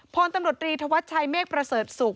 พลตำรวจรีธวัชชัยเมฆประเสริฐศุกร์